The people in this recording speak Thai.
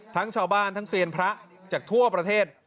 ทั้งชาวบ้านทั้งเซียนพระจากทั่วประเทศ